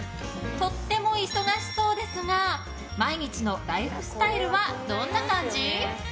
とても忙しそうですが毎日のライフスタイルはどんな感じ？